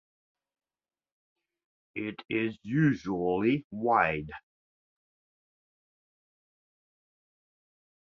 It is usually wide.